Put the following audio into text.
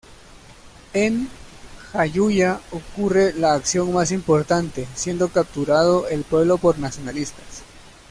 En Jayuya ocurre la acción más importante, siendo capturado el pueblo por nacionalistas.